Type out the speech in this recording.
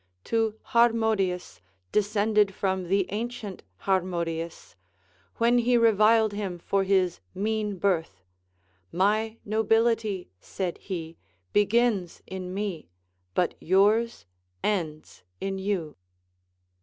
To Harmodius, descended from the ancient Harmodius, when he reviled him for his mean birth. My nobility, said he, begins in me, but yours ends in you.